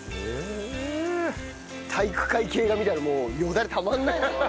体育会系が見たらもうよだれたまんないよね。